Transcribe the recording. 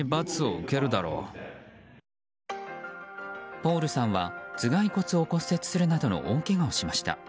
ポールさんは、頭蓋骨を骨折するなどの大けがをしました。